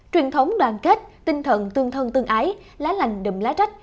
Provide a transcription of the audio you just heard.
truyền thống đoàn kết tinh thần tương thân tương ái lá lành đùm lá trách